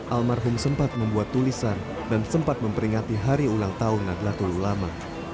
almarhum sempat membuat tulisan dan sempat memperingati hari ulang tahun nadlatul ulama